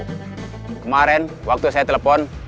kemaren waktu saya telepon